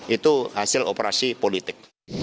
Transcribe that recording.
itu hasil operasi politik